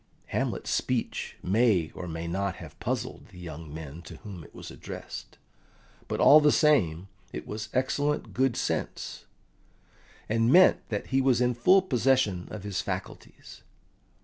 Hamlet's speech may or may not have puzzled the young men to whom it was addressed, but, all the same, it was excellent good sense, and meant that he was in full possession of his faculties.